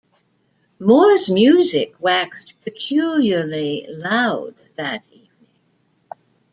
Moore's music waxed peculiarly loud that evening.